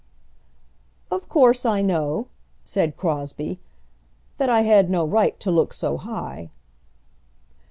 "Of course I know," said Crosbie, "that I had no right to look so high."